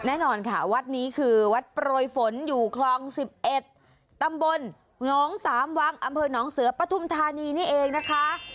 แน่นอนค่ะวัดนี้คือวัดโปรยฝนอยู่คลอง๑๑ตำบลหนองสามวังอำเภอหนองเสือปฐุมธานีนี่เองนะคะ